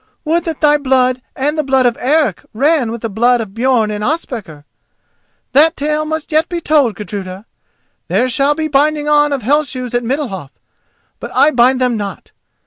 Would that thy blood and the blood of Eric ran with the blood of Björn and Ospakar! That tale must yet be told, Gudruda. There shall be binding on of Hell shoes at Middalhof, but I bind them not.